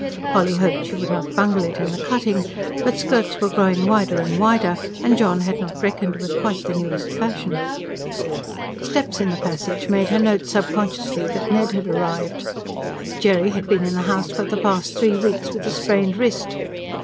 Polly hoped she would not bungle it in the cutting; but skirts were growing wider and wider, and John had not reckoned with quite the newest fashion. Steps in the passage made her note subconsciously that Ned had arrived Jerry had been in the house for the past three weeks, with a sprained wrist.